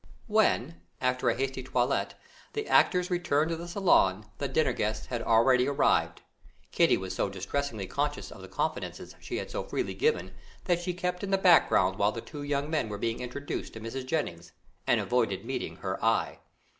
When, after a hasty toilet, the actors returned to the saloon, the dinner guests had already arrived. Kitty was so distressingly conscious of the confidences she had so freely given, that she kept in the background while the two young men were being introduced to Mrs. Jennings, and avoided meeting her eye.